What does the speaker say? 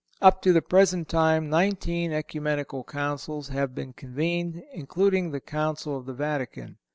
Up to the present time nineteen Ecumenical Councils have been convened, including the Council of the Vatican.